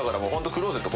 クローゼット